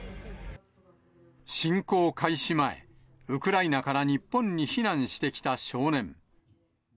侵攻開始前、ウクライナから日本に避難してきた少年。